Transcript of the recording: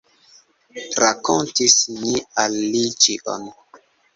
Rakontis ni al li ĉion.